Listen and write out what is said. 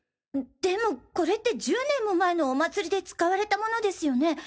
でもこれって１０年も前のお祭りで使われたものですよね？